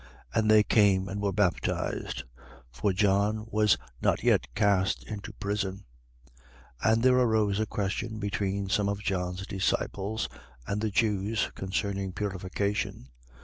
And they came and were baptized. 3:24. For John was not yet cast into prison. 3:25. And there arose a question between some of John's disciples and the Jews, concerning purification.